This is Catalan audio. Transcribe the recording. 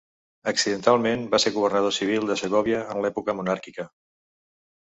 Accidentalment va ser Governador Civil de Segòvia en l'època monàrquica.